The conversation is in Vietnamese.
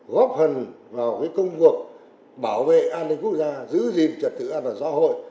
góp phần vào công cuộc bảo vệ an ninh quốc gia giữ gìn trật tự an toàn xã hội